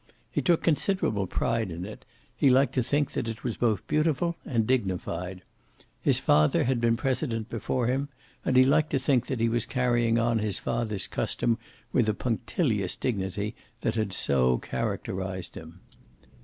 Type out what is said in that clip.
He took considerable pride in it; he liked to think that it was both beautiful and dignified. His father had been president before him, and he liked to think that he was carrying on his father's custom with the punctilious dignity that had so characterized him.